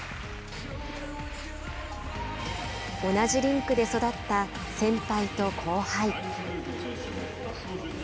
同じリンクで育った先輩と後輩。